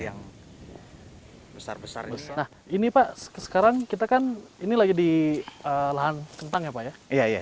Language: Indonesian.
nah ini pak sekarang kita kan ini lagi di lahan kentang ya pak ya